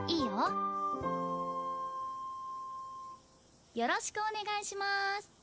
よろしくお願いします。